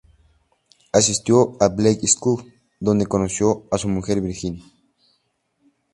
Asistió a la Blake School, donde conoció a su mujer Virginia.